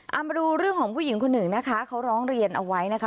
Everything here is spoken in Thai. เอามาดูเรื่องของผู้หญิงคนหนึ่งนะคะเขาร้องเรียนเอาไว้นะคะ